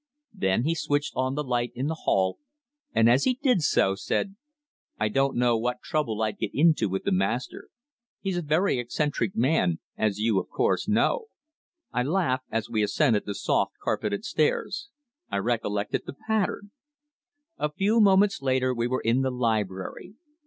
Then he switched on the light in the hall, and as he did so, said: "I don't know what trouble I'd get into with the master. He's a very eccentric man as you, of course, know." I laughed as we ascended the soft carpeted stairs. I recollected the pattern. A few moments later we were in the library.